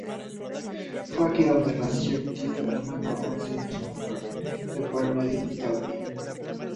Fue aquí donde nació, Kit, hermano, once años menor, de Bernie Taupin.